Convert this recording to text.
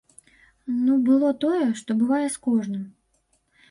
Ну, было тое, што бывае з кожным.